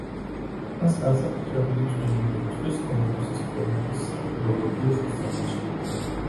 მას განსაკუთრებული წვლილი მიუძღვის ჰომეროსის პოემების ფილოლოგიურ შესწავლაში.